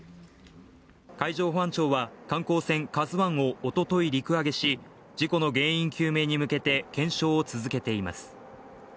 海上保安庁は観光船「ＫＡＺＵ１」をおととい陸揚げし事故の原因究明に向けて検証を続けています